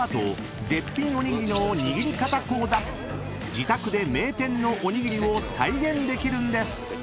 ［自宅で名店のおにぎりを再現できるんです］